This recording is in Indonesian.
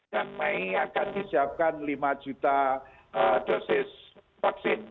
dan mei akan disiapkan lima juta dosis vaksin